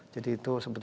jadi itu sebagainya